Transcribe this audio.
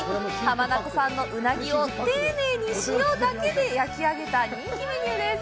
浜名湖産のうなぎを丁寧に塩だけで焼き上げた人気メニューです。